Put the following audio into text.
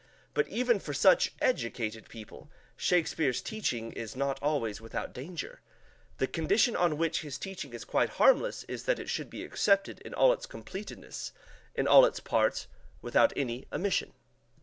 But even for such educated people, Shakespeare's teaching is not always without danger. The condition on which his teaching is quite harmless is that it should be accepted in all its completeness, in all its parts, without any omission.